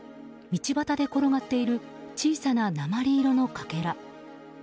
道端で転がっている小さな鉛色のかけら。